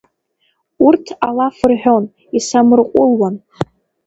Урҭ алаф рҳәон, исамырҟәылуан.